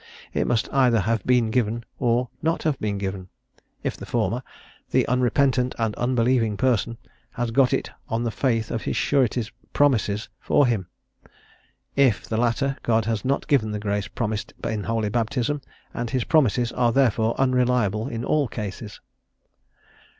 It must either have been given, or not have been given; if the former, the unrepentant and unbelieving person has got it on the faith of his sureties' promises for him; if the latter, God has not given the grace promised in Holy Baptism, and his promises are therefore unreliable in all cases.